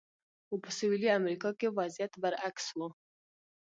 خو په سویلي امریکا کې وضعیت برعکس و.